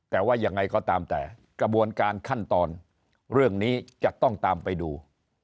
แต่ว่ายังไงก็ตามแต่กระบวนการขั้นตอนเรื่องนี้จะต้องตามไปดู